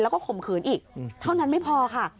แล้วก็ข่มขืนอีกเท่านั้นไม่พอค่ะ